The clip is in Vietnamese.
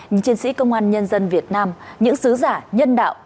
những chiến sĩ công an nhân dân việt nam những sứ giả nhân đạo